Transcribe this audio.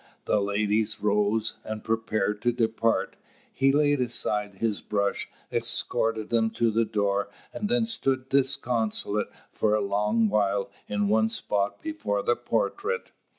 The ladies rose, and prepared to depart. He laid aside his brush, escorted them to the door, and then stood disconsolate for a long while in one spot before the portrait.